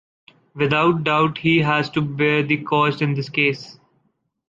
Without doubt, he has to bear the costs in this case.